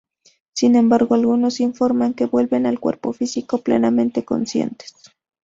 Sin embargo, algunos informan que vuelven al cuerpo físico plenamente conscientes.